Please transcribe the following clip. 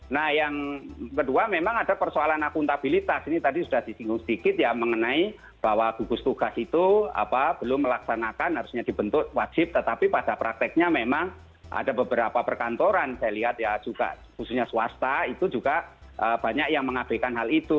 nah yang kedua memang ada persoalan akuntabilitas ini tadi sudah disinggung sedikit ya mengenai bahwa gugus tugas itu belum melaksanakan harusnya dibentuk wajib tetapi pada prakteknya memang ada beberapa perkantoran saya lihat ya juga khususnya swasta itu juga banyak yang mengabaikan hal itu